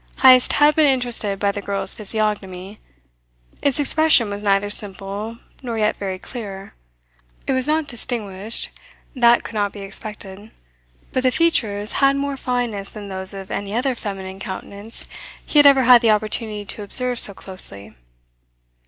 Heyst had been interested by the girl's physiognomy. Its expression was neither simple nor yet very clear. It was not distinguished that could not be expected but the features had more fineness than those of any other feminine countenance he had ever had the opportunity to observe so closely.